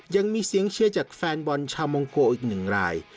ยังมีเสียงเชียร์จากแฟนบอลชาวมองโกอีกหนึ่งราย